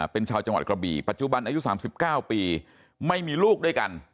เป็นชาวจังหวัดกระบี่ปัจจุบันอายุ๓๙ปีไม่มีลูกด้วยกัน